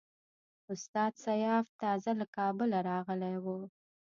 استاد سیاف تازه له کابله راغلی وو.